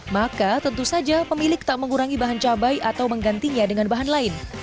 maka tentu saja pemilik tak mengurangi bahan cabai atau menggantinya dengan bahan lain